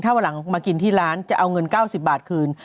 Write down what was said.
ถ้าวันหลังมากินที่ร้านจะเอาเงิน๙๐บาทคืน